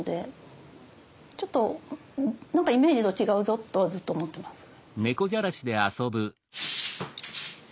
ちょっと何かイメージと違うぞとはずっと思ってます。